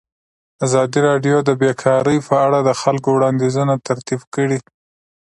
ازادي راډیو د بیکاري په اړه د خلکو وړاندیزونه ترتیب کړي.